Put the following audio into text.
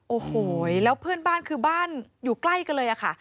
โอ้โหแล้วเพื่อนบ้านคือบ้านอยู่ใกล้กันเลยค่ะ